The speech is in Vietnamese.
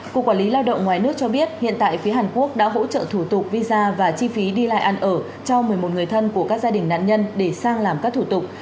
cục quản lý lao động ngoài nước cho biết hiện tại phía hàn quốc đã hỗ trợ thủ tục visa và chi phí đi lại ăn ở cho một mươi một người thân của các gia đình nạn nhân để sang làm các thủ tục